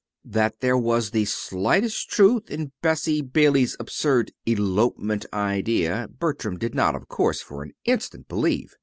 That there was the slightest truth in Bessie Bailey's absurd "elopement" idea, Bertram did not, of course, for an instant believe.